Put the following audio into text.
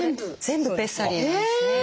全部ペッサリーなんですね。